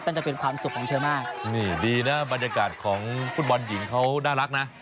จะเป็นความสุขของเธอมากนี่ดีนะบรรยากาศของฟุตบอลหญิงเขาน่ารักนะ